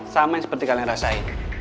sama yang seperti kalian rasain